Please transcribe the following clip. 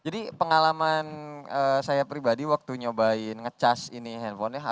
jadi pengalaman saya pribadi waktu nyobain ngecas ini handphonenya